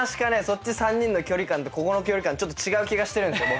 そっち３人の距離感とここの距離感ちょっと違う気がしてるんですよ